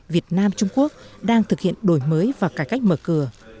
việt nam trung quốc đang thực hiện đổi mới và cải cách mở cửa